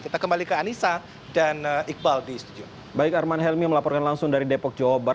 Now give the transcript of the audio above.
kita kembali ke anissa dan iqbal di studio